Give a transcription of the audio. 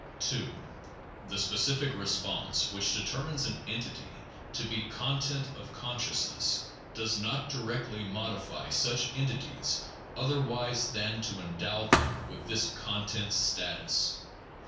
2. The specific response which determines an entity to be content of consciousness, does not directly modify such entities otherwise than to endow them with this content status.